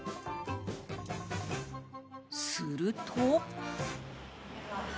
すると。